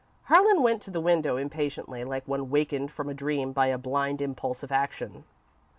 Harlan went to the window impatiently, like one wakened from a dream by a blind impulse of action.